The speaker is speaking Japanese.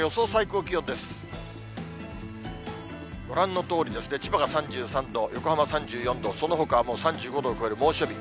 ご覧のとおり、千葉が３３度、横浜３４度、そのほかはもう３５度を超える猛暑日。